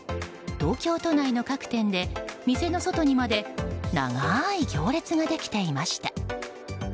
東京都内の各店で店の外にまで長い行列ができていました。